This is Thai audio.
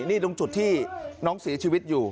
นี่ตรงจุดที่น้องเสียชีวิตอยู่